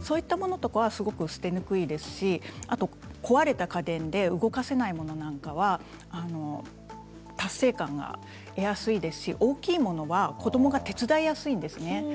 そういうものはすごく捨てにくいですし壊れた家電で動かせないものなんかは達成感が得やすいですし大きい物は子どもが手伝いやすいんですね。